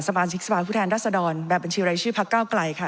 มาชิกสภาพผู้แทนรัศดรแบบบัญชีรายชื่อพักเก้าไกลค่ะ